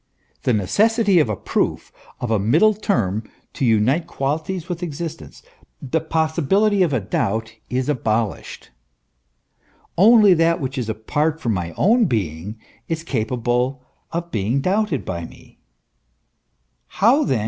The necessity of a proof, of a middle term to unite qualities with existence, the possibility of a doubt, is abolished. Only that which is apart from my own being is capable of being doubted by me. How then 20 THE ESSENCE OF CHRISTIANITY.